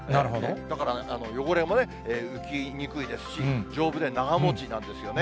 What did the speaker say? だから、汚れもつきにくいですし、丈夫で長もちなんですよね。